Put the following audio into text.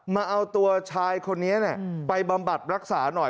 มาเอาตัวชายคนนี้ไปบำบัดรักษาหน่อย